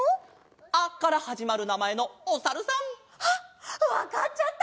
「ア」からはじまるなまえのおさるさん！あっわかっちゃった！